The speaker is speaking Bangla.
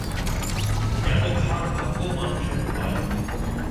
এত খারাপ ভাগ্যও মানুষের হয়?